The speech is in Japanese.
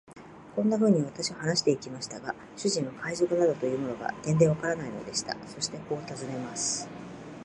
こんなふうに私は話してゆきましたが、主人は海賊などというものが、てんでわからないのでした。そしてこう尋ねます。